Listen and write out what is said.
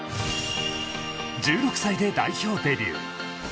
１６歳で代表デビュー。